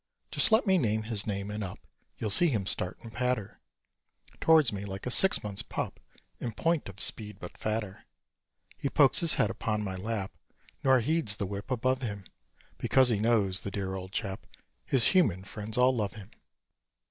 Just let me name his name, and up You'll see him start and patter Towards me, like a six months' pup In point of speed, but fatter. He pokes his head upon my lap, Nor heeds the whip above him; Because he knows, the dear old chap, His human friends all love him.